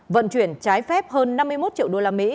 vận chuyển trái phép hơn năm mươi một triệu đô la mỹ